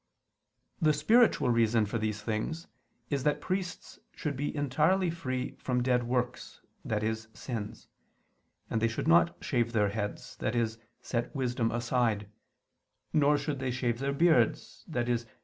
The spiritual reason for these things is that priests should be entirely free from dead works, i.e. sins. And they should not shave their heads, i.e. set wisdom aside; nor should they shave their beards, i.e.